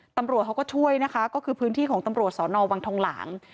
ตำรวจเขาก็ช่วยนะคะก็คือพื้นที่ของตำรวจสอนอวังทองหลาง